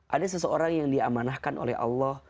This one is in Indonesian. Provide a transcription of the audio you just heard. ada seseorang yang diamanahkan oleh allah